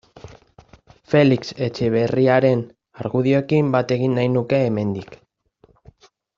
Felix Etxeberriaren argudioekin bat egin nahi nuke hemendik.